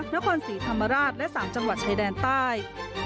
นครศรีธรรมราชและ๓จังหวัดชายแดนใต้